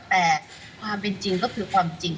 แต่ความเป็นจริงก็คือความจริง